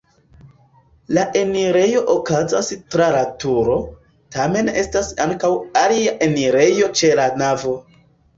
La enirejo okazas tra la turo, tamen estas ankaŭ alia enirejo ĉe la navo.